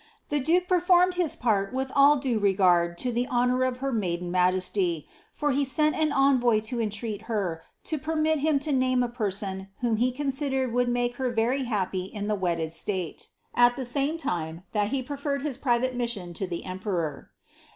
Tbi duke performed his part with all due regard to the honour of hi;r maidei majesty, for he sent an envoy lo entreat her lo permit him to nainei person whom he considered would make her very happy in ihe weddsc stale, at the same time that he preferred his private mission to the eni' peror.